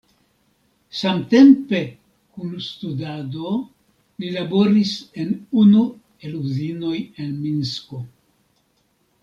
Samtempe kun studado, li laboris en unu el uzinoj en Minsko.